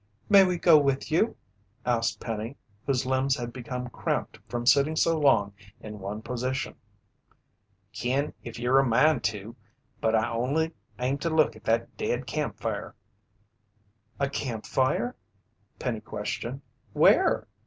"May we go with you?" asked Penny, whose limbs had become cramped from sitting so long in one position. "Kin if yer a mind to, but I only aim to look at that dead campfire." "A campfire?" Penny questioned. "Where?"